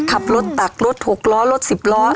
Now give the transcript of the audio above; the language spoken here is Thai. ขับรถตักรถ๖ล้อรถ๑๐ล้อ